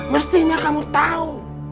mestinya kamu tahu